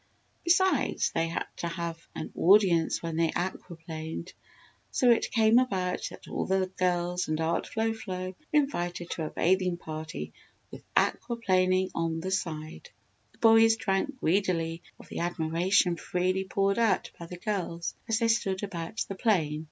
Besides, they had to have an audience when they aqua planed. So it came about, that all of the girls and Aunt Flo Flo were invited to a bathing party with aqua planing on the side. The boys drank greedily of the admiration freely poured out by the girls as they stood about the plane.